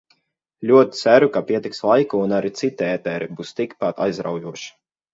Ļoti ceru, ka pietiks laika un arī citi ēteri būs tik pat aizraujoši!